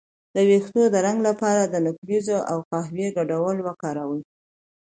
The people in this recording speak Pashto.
د ویښتو د رنګ لپاره د نکریزو او قهوې ګډول وکاروئ